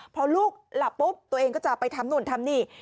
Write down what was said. พอลูกหลับปุ๊บตัวเองก็จะไปทำนู่นทำนี่